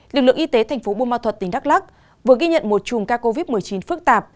lực lượng y tế tp buôn ma thuật tỉnh đắk lắc vừa ghi nhận một chùm ca covid một mươi chín phức tạp